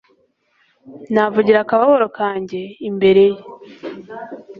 navugira akababaro kanjye imbere ye